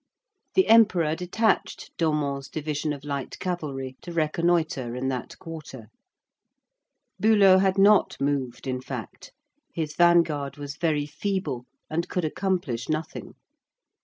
The Emperor detached Domon's division of light cavalry to reconnoitre in that quarter. Bülow had not moved, in fact. His vanguard was very feeble, and could accomplish nothing.